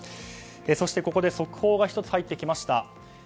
そして、ここで速報が１つ入ってきました。